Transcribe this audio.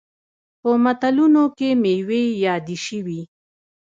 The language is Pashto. په متلونو کې میوې یادې شوي.